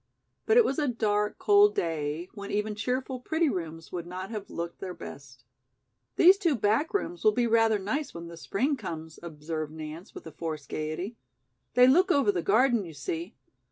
But it was a dark, cold day when even cheerful, pretty rooms would not have looked their best. "These two back rooms will be rather nice when the spring comes," observed Nance, with a forced gaiety. "They look over the garden, you see.